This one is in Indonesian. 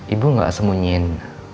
ibu gak sembunyiin